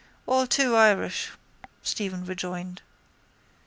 —All too Irish, Stephen rejoined.